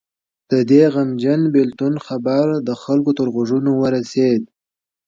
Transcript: د دې غمجن بېلتون خبر د خلکو تر غوږونو ورسېد.